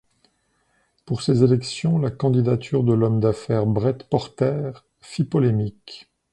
Pour ces élections la candidature de l'homme d'affaires Brett Porter fit polémique.